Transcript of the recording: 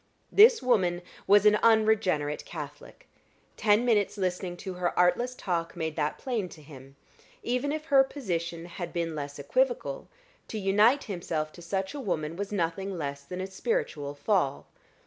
This woman was an unregenerate Catholic; ten minutes' listening to her artless talk made that plain to him: even if her position had been less equivocal, to unite himself to such a woman was nothing less than a spiritual fall.